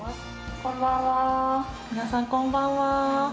皆さん、こんばんは。